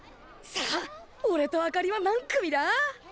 さあおれとあかりは何組だ？